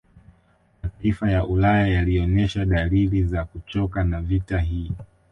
Mataifa ya Ulaya yalionesha dalili za kuchoka na vita hii